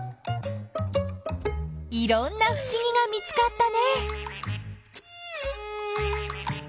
いろんなふしぎが見つかったね！